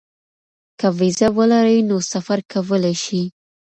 که وېزه ولري نو سفر کولی شي.